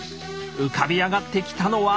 浮かび上がってきたのは。